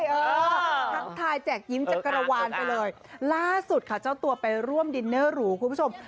ทั้งทายแจกยิ้มจักรวาลไปเลยล่าสุดค่ะเจ้าตัวไปร่วมดินเนอร์หรูคุณผู้ชม